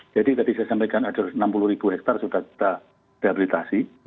jadi tadi saya sampaikan ada enam puluh hektar sudah kita rehabilitasi